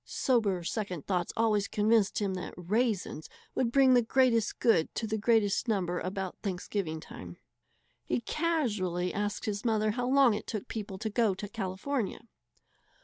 Sober second thought always convinced him that "raisens" would bring the greatest good to the greatest number about Thanksgiving time. He casually asked his mother how long it took people to go to California.